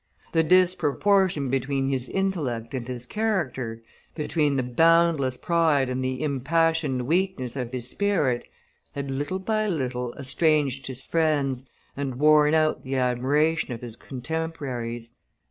The disproportion between his intellect and his character, between the boundless pride and the impassioned weakness of his spirit, had little by little estranged his friends and worn out the admiration of his contemporaries.